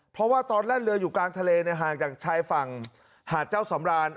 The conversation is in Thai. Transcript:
เพราะว่าตอนแล่นเรืออยู่กลางทะเลห่างจากชายฝั่งหาดเจ้าสำราน